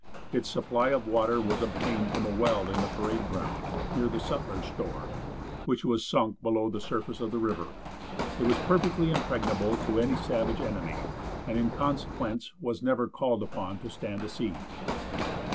Its supply of water was obtained from a well in the parade ground, near the sutler's store, which was sunk below the surface of the river. It was perfectly impregnable to any savage enemy, and in consequence was never called upon to stand a siege.